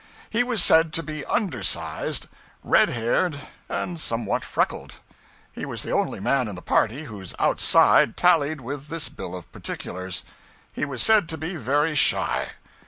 He was said to be undersized, red haired, and somewhat freckled. He was the only man in the party whose outside tallied with this bill of particulars. He was said to be very shy.